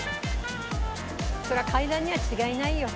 そりゃ階段には違いないよ。